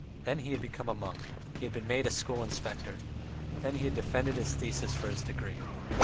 Then he had become a monk; he had been made a school inspector. Then he had defended his thesis for his degree.